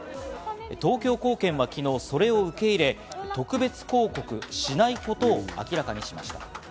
東京高検は昨日、それを受け入れ、特別抗告しないことを明らかにしました。